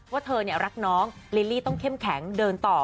ว่าเธอรักน้องลิลลี่ต้องเข้มแข็งเดินต่อ